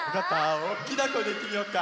おっきなこえでいってみようか。